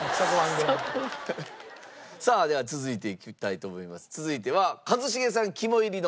さあでは続いていきたいと思います。